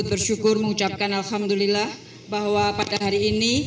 menteri luar negeri sekarang akan melidah veri ke jawaban menteri luar negeri